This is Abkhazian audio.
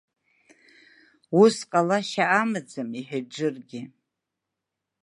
Ус ҟалашьа амаӡам, — иҳәеит Џыргьы.